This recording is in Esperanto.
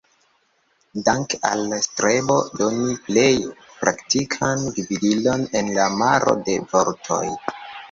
Danke al strebo doni plej praktikan gvidilon en la maro de vortoj.